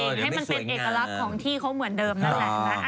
ให้มันเป็นเอกลักษณ์ของที่เขาเหมือนเดิมนั่นแหละ